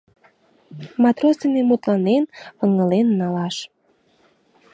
Матрос дене мутланен, ыҥылен налаш...